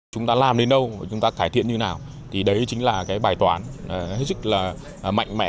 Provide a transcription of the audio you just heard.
chúng ta làm đến đâu chúng ta cải thiện như nào thì đấy chính là cái bài toán rất là mạnh mẽ